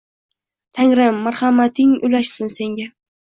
Tangrim marxamatin ulashsin senga